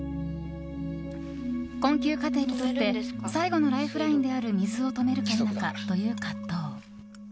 困窮家庭にとって最後のライフラインである水を止めるか否かという葛藤。